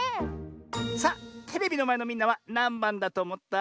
さあテレビのまえのみんなはなんばんだとおもった？